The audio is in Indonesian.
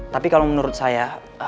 tapi kalau menurut saya